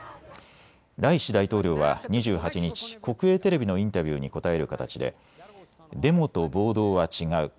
ライシ大統領は２８日、国営テレビのインタビューに答える形でデモと暴動は違う。